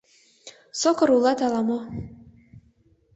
Сокыр улыт ала-мо.